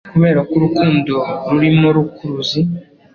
kubera ko urukundo rurimo rukuruzi